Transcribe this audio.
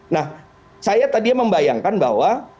nah saya tadinya membayangkan bahwa